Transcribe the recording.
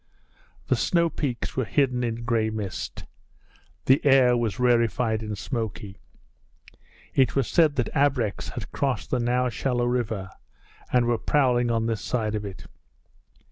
The snow peaks were hidden in grey mist. The air was rarefied and smoky. It was said that abreks had crossed the now shallow river and were prowling on this side of it.